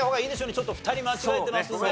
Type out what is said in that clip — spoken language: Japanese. ちょっと２人間違えてますのでね。